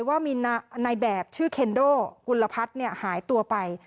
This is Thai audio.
ว่ามีนายแบบชื่อเคนโดกุลพัฒน์หายตัวไป